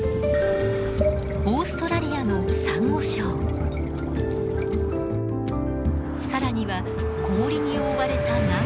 オーストラリアのサンゴ礁更には氷に覆われた南極大陸まで。